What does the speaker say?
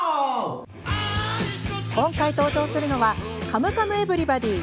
今回登場するのは「カムカムエブリバディ」